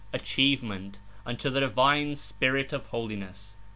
120 achievement) unto the Divine Spirit of Holiness (5).